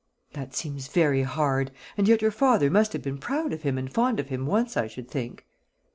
"That seems very hard; and yet your father must have been proud of him and fond of him once, I should think."